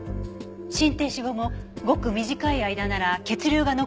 心停止後もごく短い間なら血流が残る場合があります。